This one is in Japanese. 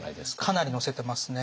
かなり載せてますね。